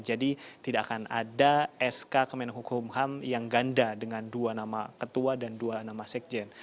jadi tidak akan ada sk kemen hukum ham yang ganda dengan dua nama ketua dan dua nama sekjen